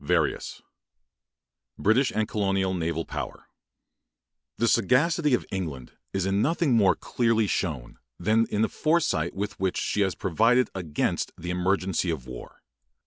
Tennyson BRITISH COLONIAL AND NAVAL POWER The sagacity of England is in nothing more clearly shown than in the foresight with which she has provided against the emergency of war.